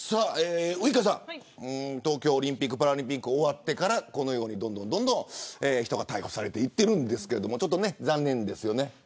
ウイカさん東京オリンピック・パラリンピック終わってからこのように、どんどん人が逮捕されていっているんですけどちょっと残念ですよね。